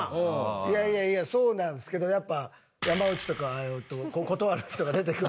いやいやいやそうなんすけどやっぱ山内とか断る人が出てくる。